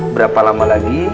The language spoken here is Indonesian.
berapa lama lagi